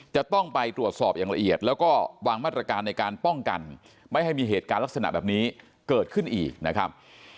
จะต้องไปตรวจสอบอย่างละเอียดแล้วก็วางมาตรการในการป้องกันไม่ให้มีเหตุการณ์ลักษณะแบบนี้เกิดขึ้นอีกนะครับ